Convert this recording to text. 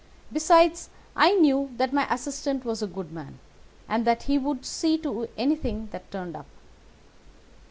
Besides, I knew that my assistant was a good man, and that he would see to anything that turned up.